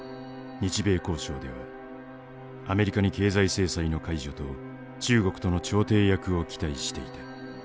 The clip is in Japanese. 日米交渉ではアメリカに経済制裁の解除と中国との調停役を期待していた。